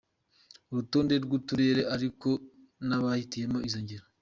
urutonde ni rurerure ariko nabahitiyemo izo ngero.